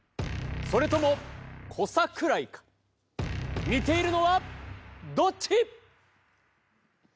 それとも小桜井か似ているのはどっち？